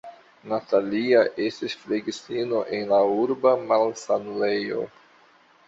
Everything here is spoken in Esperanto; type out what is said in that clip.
Natalia estis flegistino en la urba malsanulejo.